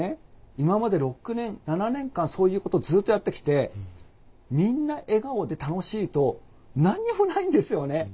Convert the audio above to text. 今まで６年７年間そういうことずっとやってきてみんな笑顔で楽しいと何にもないんですよね。